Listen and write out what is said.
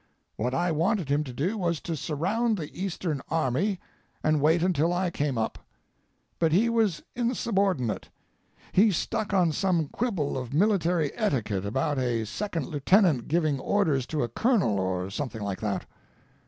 What I wanted him to do was to surround the Eastern army and wait until I came up. But he was insubordinate; he stuck on some quibble of military etiquette about a second lieutenant giving orders to a colonel or something like that.